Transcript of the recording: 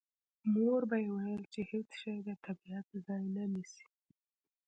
مور به یې ویل چې هېڅ شی د طبیعت ځای نه نیسي